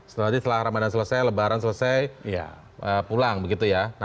setelah ramadhan selesai lebaran selesai pulang begitu ya